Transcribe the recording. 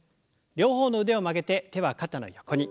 両方の腕を曲げて手は肩の横に。